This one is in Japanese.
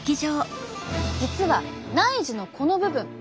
実は内耳のこの部分。